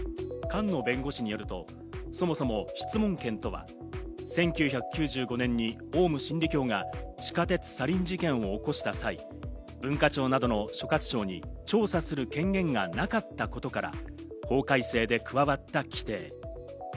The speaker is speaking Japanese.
菅野弁護士によると、そもそも質問権とは１９９５年にオウム真理教が地下鉄サリン事件を起こした際、文化庁などの所轄庁に調査する権限がなかったことから、法改正で加わった規定。